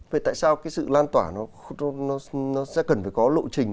vậy tại sao cái sự lan tỏa nó sẽ cần phải có lộ trình